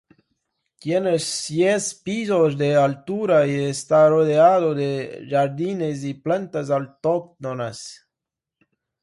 Tiene seis pisos de altura y está rodeado de jardines y plantas autóctonas.